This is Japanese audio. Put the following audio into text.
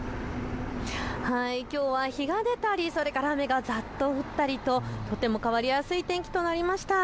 きょうは日が出たり、雨がざっと降ったりととても変わりやすい天気となりました。